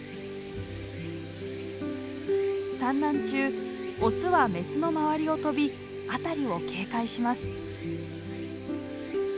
産卵中オスはメスの周りを飛び辺りを警戒します。